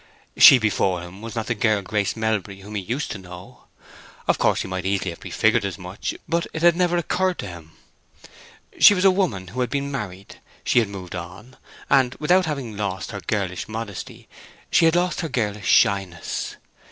She before him was not the girl Grace Melbury whom he used to know. Of course, he might easily have prefigured as much; but it had never occurred to him. She was a woman who had been married; she had moved on; and without having lost her girlish modesty, she had lost her girlish shyness.